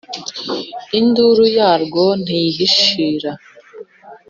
induru yarwo ntiyihishira